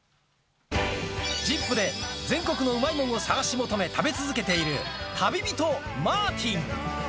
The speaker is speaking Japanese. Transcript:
ＺＩＰ！で全国のうまいもんを探し求め、食べ続けている旅人、マーティン。